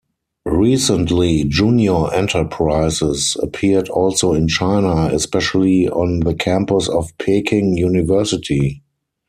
Recently, junior enterprises appeared also in China, especially on the campus of Peking University.